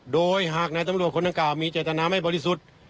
โดยหากนายตำรวจคนดังกล่าวมีเจตนาไม่บริสุทธิ์